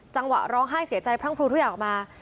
ร้องไห้เสียใจพรั่งพลูทุกอย่างออกมา